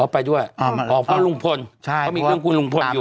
อ๋อไปด้วยอ๋ออ๊อพ่อปัญหาธนาคณ์ลุงพลถ้ามีกริมภูมิลุงพลอยู่